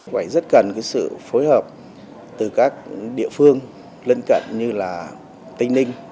quảy rất cần sự phối hợp từ các địa phương lân cận như là tinh ninh